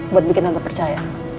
buat bikin tante percaya